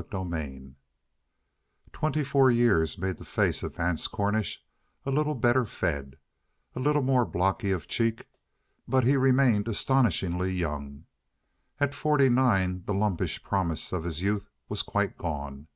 CHAPTER 2 Twenty four years made the face of Vance Cornish a little better fed, a little more blocky of cheek, but he remained astonishingly young. At forty nine the lumpish promise of his youth was quite gone.